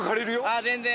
あぁ全然。